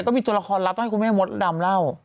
ก็มีตัวละครลับต้องให้คุณแม่มดดำเล่า